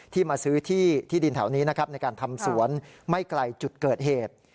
มาซื้อที่ที่ดินแถวนี้นะครับในการทำสวนไม่ไกลจุดเกิดเหตุ